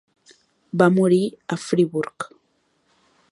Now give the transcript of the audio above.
Va morir a Friburg.